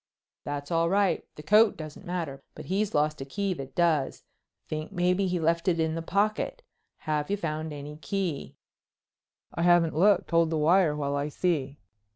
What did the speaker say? "That's all right. The coat doesn't matter—but he's lost a key that does. Thinks maybe he left it in the pocket. Have you found any key?" "I haven't looked. Hold the wire while I see?"